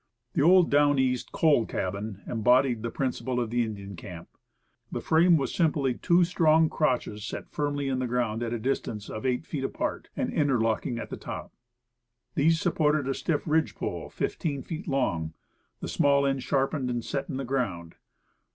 The old Down East "coal cabin" embodied the prin ciple of the Indian camp. The frame was simply two strong crotches set firmly in the ground at a distance of eight feet apart, and interlocking at top. These supported a stiff ridge pole fifteen feet long, the small end sharpened and set in the ground.